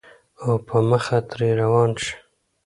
او پۀ مخه ترې روان شې